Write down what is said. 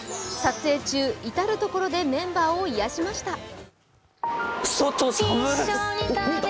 撮影中、至る所でメンバーを癒やしました。